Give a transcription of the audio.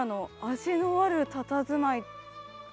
味のあるたたずまい。